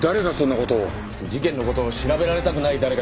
事件の事を調べられたくない誰かでしょうね。